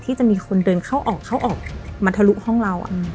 ที่จะมีคนเดินเข้าออกมาทะลุห้องเรา